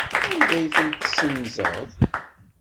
Anda ay ten-tessenzeḍ?